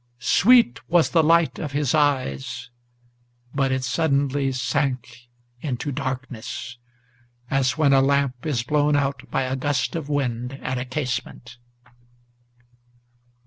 Sweet was the light of his eyes; but it suddenly sank into darkness, As when a lamp is blown out by a gust of wind at a casement.